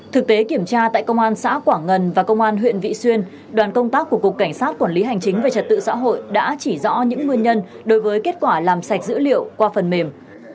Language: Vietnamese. thực tế kiểm tra tại công an xã quảng ngân và công an huyện vị xuyên đoàn công tác của cục cảnh sát quản lý hành chính về trật tự xã hội đã chỉ rõ những nguyên nhân đối với kết quả làm sạch dữ liệu qua phần mềm